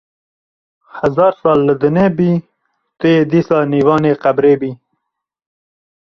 Hezar sal li dinê bî tu yê dîsa nîvanê qebrê bî